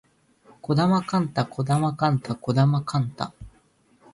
児玉幹太児玉幹太児玉幹太